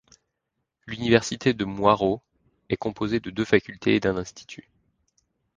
L'université de Mwaro est composée de deux facultés et d'un institut.